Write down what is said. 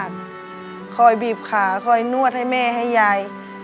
คอยบีบขาคอยนวดให้แม่ให้ยาย